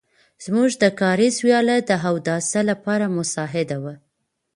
زموږ د کاریز وياله د اوداسه لپاره مساعده وه.